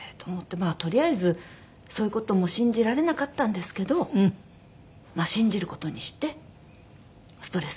まあとりあえずそういう事も信じられなかったんですけどまあ信じる事にしてストレス